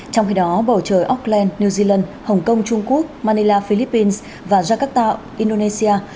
trong khi đó bầu trời auckland new zealand hồng kông trung quốc manila philippines và jakarta indonesia